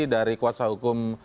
dari kuasa hukum